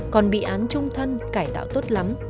còn bị án trung thân cải tạo tốt lắm